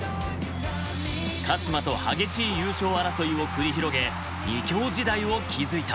鹿島と激しい優勝争いを繰り広げ２強時代を築いた。